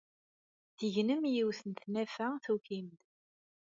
Tegnem yiwet n tnafa tukim-d.